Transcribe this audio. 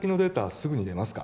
すぐに出ますか？